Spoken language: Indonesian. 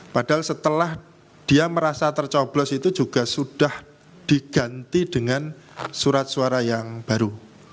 padahal setelah dia merasa tercoblos itu juga sudah diganti dengan surat suara yang baru